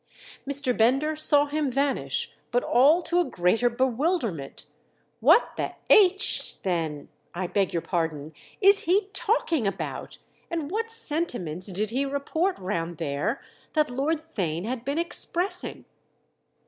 Mr. Bender saw him vanish, but all to a greater bewilderment. "What the h—— then (I beg your pardon!) is he talking about, and what 'sentiments' did he report round there that Lord Theign had been expressing?"